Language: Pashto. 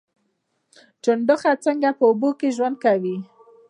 چنډخه څنګه په اوبو کې ژوند کوي؟